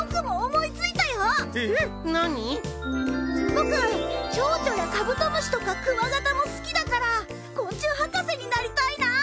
僕チョウチョやカブトムシとかクワガタも好きだから昆虫博士になりたいな！